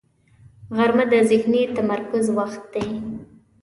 غرمه د ذهني تمرکز وخت دی